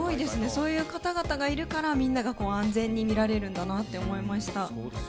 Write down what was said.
そういう方々がいるからみんなが安全に見られるんだなって思いました。